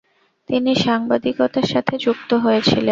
তিনি সাংবাদিকতার সাথে যুক্ত হয়েছিলেন।